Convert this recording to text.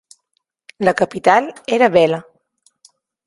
La capital era Bela.